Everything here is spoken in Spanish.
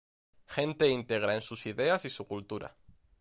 Gente íntegra en sus ideas y su cultura.